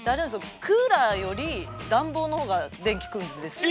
クーラーより暖房の方が電気食うんですって。